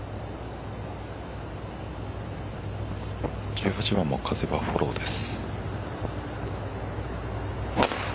１８番も風はフォローです。